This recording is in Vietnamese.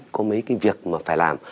có mấy cái việc mà phải làm